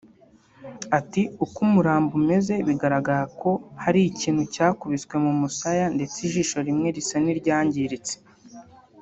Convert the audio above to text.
Ati “Uko umurambo umeze bigaragara ko hari ikintu yakubiswe mu musaya ndetse ijisho rimwe risa n’iryangiritse